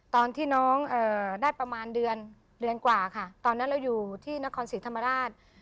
ตอนที่น้องได้ประมาณเดือนเดือนกว่าค่ะตอนนั้นเราอยู่ที่นครศรีธรรมราช